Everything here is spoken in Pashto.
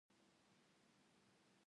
په دې وخت کې هغې نرسې مایوسه را وکتل